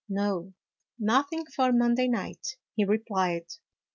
" No, nothing for Monday night," he replied.